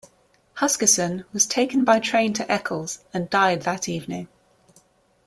Huskisson was taken by train to Eccles and died that evening.